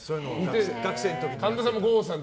神田さんも郷さん